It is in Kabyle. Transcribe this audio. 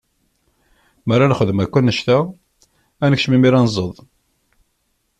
Mi ara nexdem akk anect-a, ad nekcem imir ad nẓeḍ.